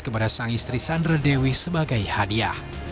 kepada sang istri sandra dewi sebagai hadiah